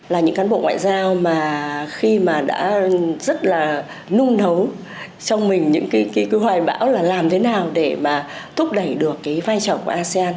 là những cán bộ ngoại giao mà khi mà đã rất là nung nấu trong mình những cái hoài bão là làm thế nào để mà thúc đẩy được cái vai trò của asean